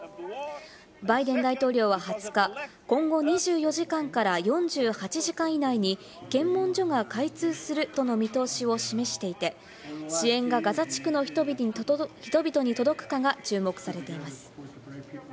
バイデン大統領は２０日、今後２４時間から４８時間以内に検問所が開通するとの見通しを示していて、支援がガザ地区の人々に届くかが注目されています。